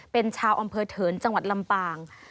เป็นชาวอำเภอเถินจังหวัดลำปาง